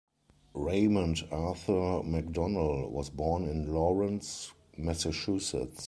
Raymond Arthur MacDonnell was born in Lawrence, Massachusetts.